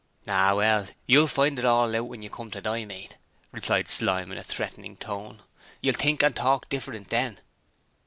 'Ah, well, you'll find it all out when you come to die, mate,' replied Slyme in a threatening tone. 'You'll think and talk different then!'